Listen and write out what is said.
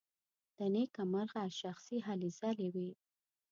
له نېکه مرغه شخصي هلې ځلې وې.